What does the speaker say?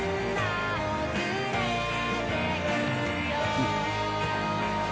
うん。